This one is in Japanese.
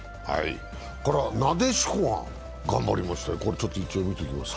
なでしこが頑張りましたよ、見ておきますか。